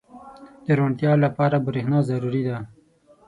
• د روڼتیا لپاره برېښنا ضروري ده.